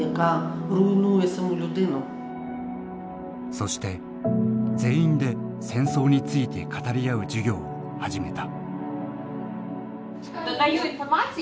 そして全員で戦争について語り合う授業を始めた。